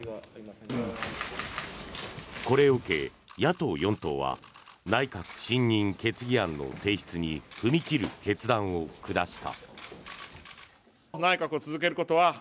これを受け、野党４党は内閣不信任決議案の提出に踏み切る決断を下した。